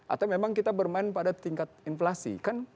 atau memang kita bermain pada tingkat inflasi